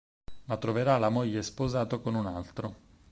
Ma troverà la moglie sposato con un altro.